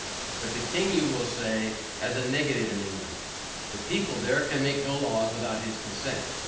But the king you will say has a negative in England; the people there can make no laws without his consent.